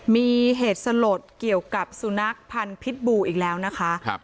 มีเหตุสลดเกี่ยวกับสุนัขพันธ์พิษบูอีกแล้วนะคะ